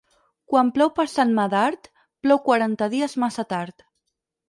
Quan plou per Sant Medard, plou quaranta dies massa tard.